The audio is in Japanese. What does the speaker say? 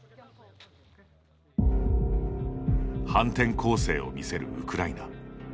反転攻勢を見せるウクライナ。